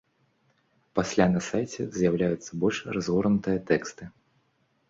Пасля на сайце з'яўляюцца больш разгорнутыя тэксты.